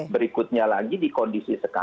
berikutnya lagi di kondisi sekarang